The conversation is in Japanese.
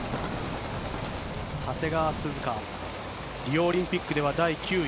長谷川涼香、リオオリンピックでは第９位。